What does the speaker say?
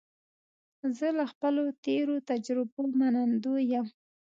زه له خپلو تېرو تجربو منندوی یم.